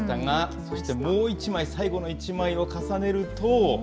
そしてもう１枚、最後の１枚を重ねると。